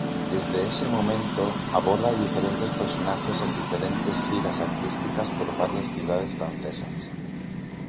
Desde ese momento, aborda diferentes personajes en diferentes giras artísticas por varias ciudades francesas.